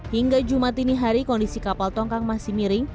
hingga jumat ini hari kondisi kapal tongkang masih miring